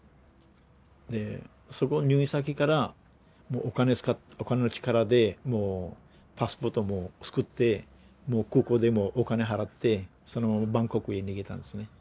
でそこの入院先からお金の力でパスポートも作ってもう空港でもお金払ってその後バンコクへ逃げたんですね。